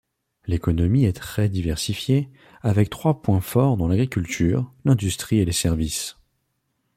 L'économie est très diversifiée, avec trois points forts dans l'agriculture, l'industrie et les services.